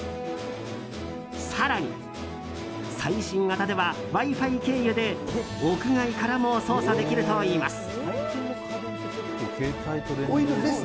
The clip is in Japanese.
更に、最新型ではＷｉ‐Ｆｉ経由で屋外からも操作できるといいます。